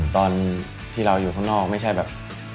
ตอนที่เราอยู่ข้างนอกไม่ใช่แบบ